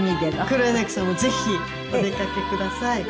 黒柳さんもぜひお出かけください。